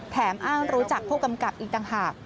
อ้างรู้จักผู้กำกับอีกต่างหาก